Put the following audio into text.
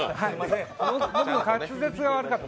僕の滑舌が悪かった。